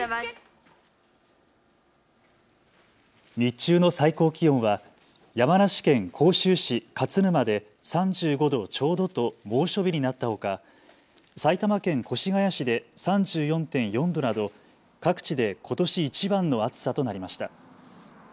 日中の最高気温は山梨県甲州市勝沼で３５度ちょうどと猛暑日になったほか、埼玉県越谷市で３４．４度など各地でことしいちばんの暑さとなりました。